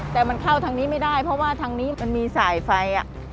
แต่มันเข้าทางนี้ไม่ได้เพราะว่าทางนี้มันมีสายไฟ